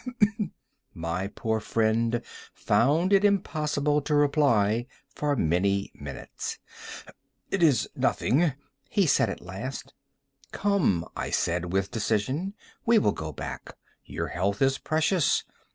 My poor friend found it impossible to reply for many minutes. "It is nothing," he said, at last. "Come," I said, with decision, "we will go back; your health is precious.